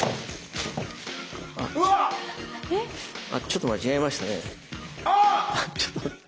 ちょっと間違えましたね。